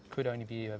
jadi anda bisa lihat